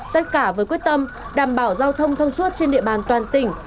tất cả với quyết tâm đảm bảo giao thông thông suốt trên địa bàn toàn tỉnh